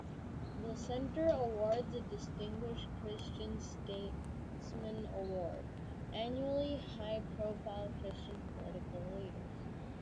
The Center awards a "Distinguished Christian Statesman Award" annually to high-profile Christian political leaders.